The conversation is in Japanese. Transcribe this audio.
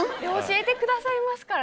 教えてくださいますからね。